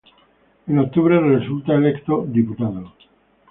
En octubre resulta electo diputado.